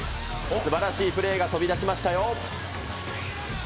すばらしいプレーが飛び出しましたよ。